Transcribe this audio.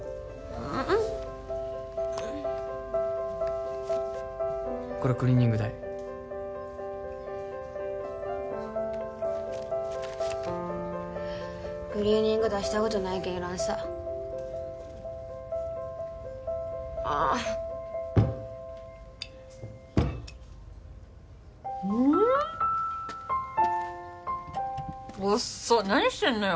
うんこれクリーニング代クリーニング出したことないけんいらんさああっうんっおっそ何してんのよ